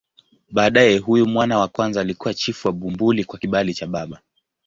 Baadaye huyu mwana wa kwanza alikuwa chifu wa Bumbuli kwa kibali cha baba.